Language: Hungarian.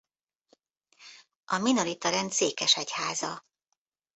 A Minorita rend székesegyháza.